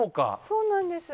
そうなんです。